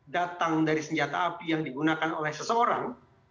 datang dari senjata api yang digunakan oleh seseorang